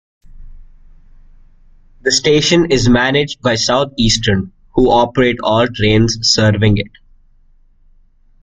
The station is managed by Southeastern, who operate all trains serving it.